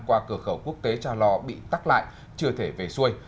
qua cửa khẩu quốc tế trao lò bị tắt lại chưa thể về xuôi